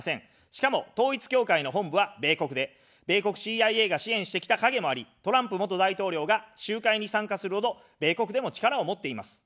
しかも、統一教会の本部は米国で、米国ＣＩＡが支援してきた影もあり、トランプ元大統領が集会に参加するほど米国でも力を持っています。